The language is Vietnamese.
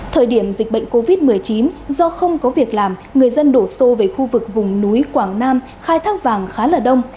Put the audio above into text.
thời điểm dịch bệnh covid một mươi chín do không có việc làm người dân đổ xô về khu vực vùng núi quảng nam khai thác vàng khá là đông